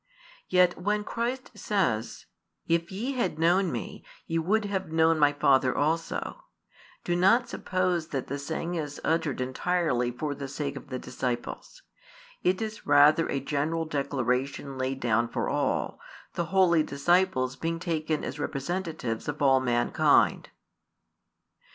Yet when Christ says: If ye had known Me, ye would have known My Father also, do not suppose that the saying is uttered entirely for the sake of the disciples: it is rather a general declaration laid down for all, the holy disciples being taken as representatives of all mankind.